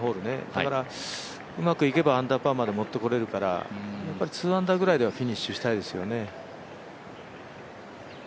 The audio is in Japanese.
だから、うまくいけばアンダーパーまでもっていけるから２アンダーぐらいではフィニッシュしたいですよね。